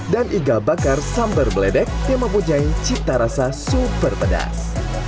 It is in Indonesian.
dan iga bakar sambar beledek yang mempunyai cita rasa super pedas